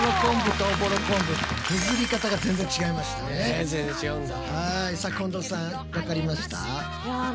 全然違うんだ。